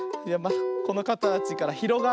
このかたちからひろがってはい。